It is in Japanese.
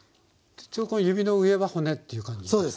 ちょうどこの指の上は骨っていう感じですか？